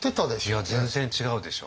いや全然違うでしょう。